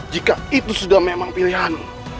jika itu sudah memang pilihan